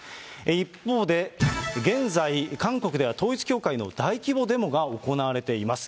一方で、現在、韓国では統一教会の大規模デモが行われています。